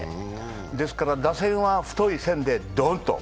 ですから打線は太い線でドンと。